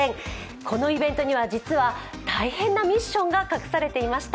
このイベントには、実は大変なミッションが隠されていました。